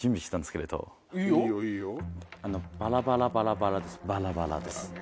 バラバラバラバラですバラバラです。